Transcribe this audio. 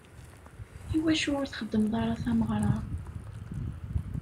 Iwacu ur txeddmeḍ ara tameɣra?